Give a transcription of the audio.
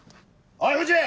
おい藤！